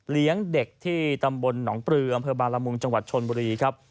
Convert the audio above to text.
เด็กที่ตำบลหนองปลืออำเภอบาลมุงจังหวัดชนบุรีครับ